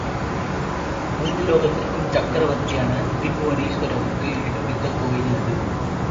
மூன்றுலகத்திற்கும் சக்கவர்த்தியான திரிபுவனேஸ்வரருக்கு, எடுப்பித்த கோயில் அது.